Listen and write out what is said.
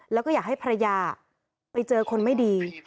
แล้วก็อยากให้ภรรยาไปเจอคนไม่ดี